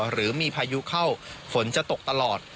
หรือมีพายุเข้าฝนจะตกตลอด